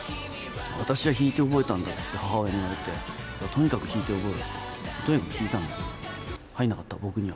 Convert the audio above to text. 私は引いて覚えたんだって母親に言われて、とにかく引いて覚えろと、とにかく引いたんだけど、入らなかった、僕には。